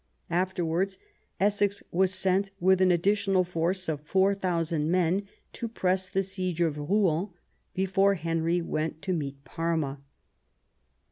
After wards Essex was sent with an additional force of 4000 men to press the siege of Rouen, before Henry went to meet Parma.